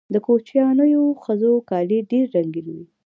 د کوچیانیو ښځو کالي ډیر رنګین وي.